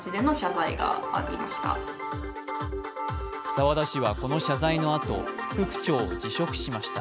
沢田氏はこの謝罪のあと副区長を辞職しました。